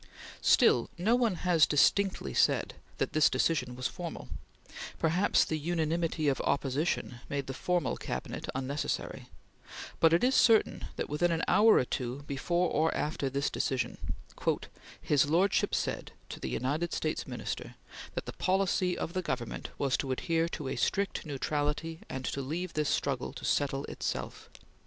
Still no one has distinctly said that this decision was formal; perhaps the unanimity of opposition made the formal Cabinet unnecessary; but it is certain that, within an hour or two before or after this decision, "his lordship said [to the United States Minister] that the policy of the Government was to adhere to a strict neutrality and to leave this struggle to settle itself."